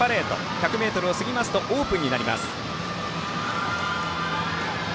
１００ｍを過ぎますとオープンになります。